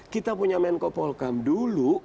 kita punya menko polkam dulu